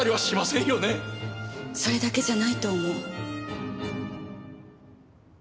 それだけじゃないと思う。